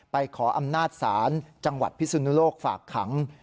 ขออำนาจศาลจังหวัดพิสุนุโลกฝากขัง